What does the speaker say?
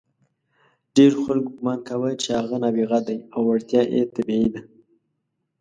ډېرو خلکو ګمان کاوه چې هغه نابغه دی او وړتیا یې طبیعي ده.